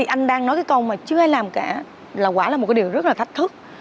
anh đang nói cái câu mà chưa ai làm cả là quả là một điều rất là thách thức